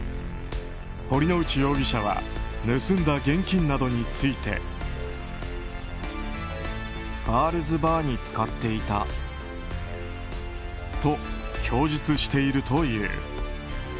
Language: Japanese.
堀之内容疑者は盗んだ現金などについて。ガールズバーに使っていた。と供述しているという。